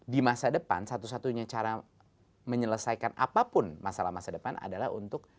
di masa depan satu satunya cara menyelesaikan apapun masalah masa depan adalah untuk